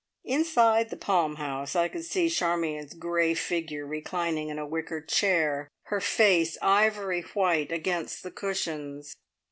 Inside the palm house I could see Charmion's grey figure reclining in a wicker chair, her face ivory white against the cushions.